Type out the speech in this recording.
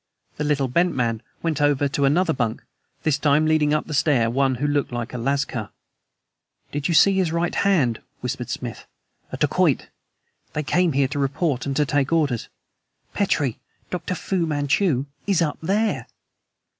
The little, bent man went over to another bunk, this time leading up the stair one who looked like a lascar. "Did you see his right hand?" whispered Smith. "A dacoit! They come here to report and to take orders. Petrie, Dr. Fu Manchu is up there."